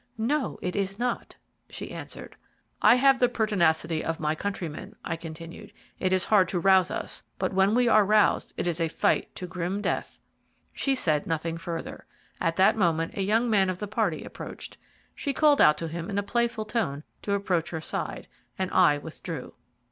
"No, it is not," she answered. "I have the pertinacity of my countrymen," I continued. "It is hard to rouse us, but when we are roused, it is a fight to grim death." She said nothing further. At that moment a young man of the party approached. She called out to him in a playful tone to approach her side, and I withdrew.